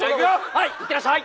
はい。